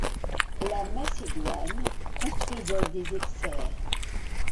La Macédoine construisait des hexères.